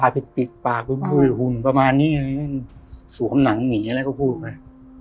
ตาพิติบปากฟื้มฟื้มหุ่นประมาณนี้ศว์มหนังหนีอะไรพูดมา